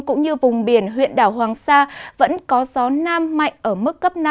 cũng như vùng biển huyện đảo hoàng sa vẫn có gió nam mạnh ở mức cấp năm